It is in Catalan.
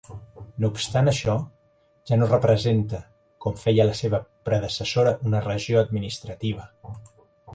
No obstant això, ja no representa, com feia la seva predecessora, una regió administrativa.